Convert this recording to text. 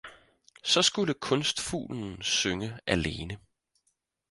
Så skulle kunstfuglen synge alene.